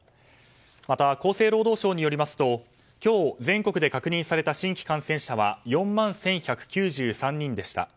また厚生労働省によりますと今日、全国で確認された新規感染者は４万１１９３人でした。